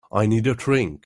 I need a drink.